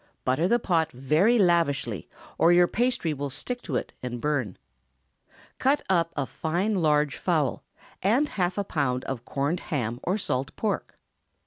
Butter the pot very lavishly, or your pastry will stick to it and burn. Cut up a fine large fowl, and half a pound of corned ham or salt pork.